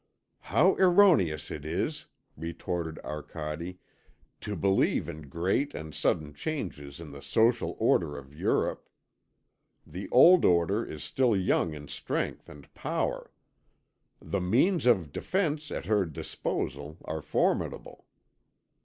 "How erroneous it is," retorted Arcade, "to believe in great and sudden changes in the social order in Europe! The old order is still young in strength and power. The means of defence at her disposal are formidable.